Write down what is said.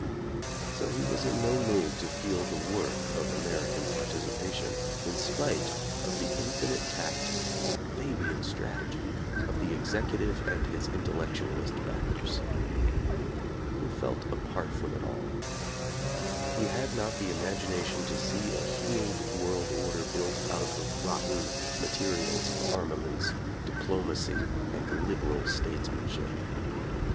So he was in no mood to feel the worth of American participation, in spite of the infinite tact and Fabian strategy of the Execu tive and his intellectualist backers. He felt apart from it all. He had not the imagination to see a healed world order built out of the rotten materials of armaments, diplomacy and "liberal" statesmanship.